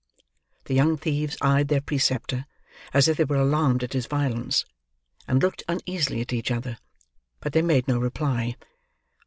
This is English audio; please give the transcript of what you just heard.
The young thieves eyed their preceptor as if they were alarmed at his violence; and looked uneasily at each other. But they made no reply.